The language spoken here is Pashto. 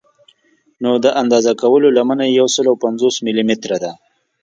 نو د اندازه کولو لمنه یې یو سل او پنځوس ملي متره ده.